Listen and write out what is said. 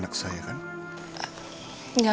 terima kasih ana